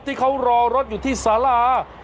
ที่เขารอรถอยู่ที่สารา